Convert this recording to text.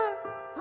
「あ！」